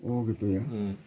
oh gitu ya